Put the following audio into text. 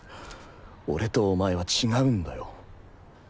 俺とお前は違うんだよ。